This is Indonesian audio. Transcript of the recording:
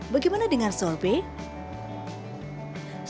bagaimana dengan sorbet